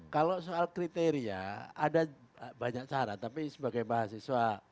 kalau soal kriteria ada banyak cara tapi sebagai mahasiswa